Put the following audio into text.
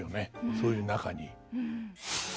そういう中に。